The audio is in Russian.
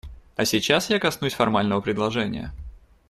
А сейчас я коснусь формального предложения.